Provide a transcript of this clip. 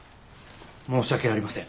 申し訳ありません。